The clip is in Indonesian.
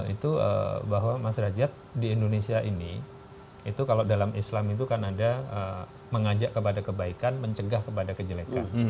itu bahwa mas derajat di indonesia ini itu kalau dalam islam itu kan ada mengajak kepada kebaikan mencegah kepada kejelekan